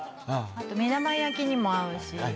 あと目玉焼きにも合うし